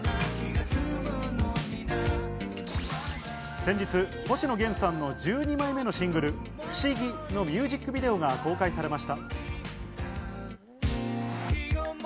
先日、星野源さんの１２枚目のシングル『不思議』のミュージックビデオが公開されました。